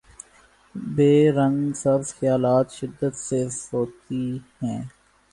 be رنگ سبز خیالات شدت سے سوتی ہیں